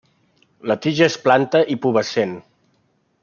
La tija és planta i pubescent.